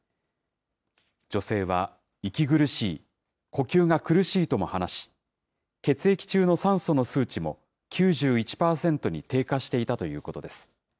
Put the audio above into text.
女性は、息苦しい、呼吸が苦しいとも話し、血液中の酸素の数値も９１％に低下していたということです。